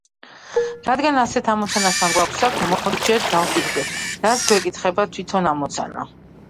რადგან ასეთ ამოცანასთან გვაქვს საქმე, მოდით ჯერ დავფიქრდეთ რას გვეკითხება თვითონ ამოცანა.